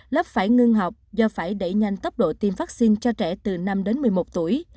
lớp phải ngưng học do phải đẩy nhanh tốc độ tiêm vaccine cho trẻ từ năm đến một mươi một tuổi